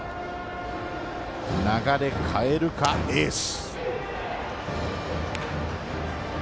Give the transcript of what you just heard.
流れを変えるか、エース。